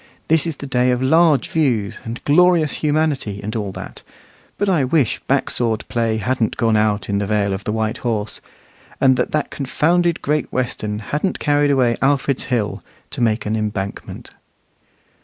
This is the day of large views, and glorious humanity, and all that; but I wish back sword play hadn't gone out in the Vale of White Horse, and that that confounded Great Western hadn't carried away Alfred's Hill to make an embankment.